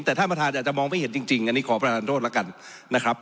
แต่ท่านประธานอาจจะมองไม่เห็นจริงอันนี้ขอประธานโทษแล้วกันนะครับ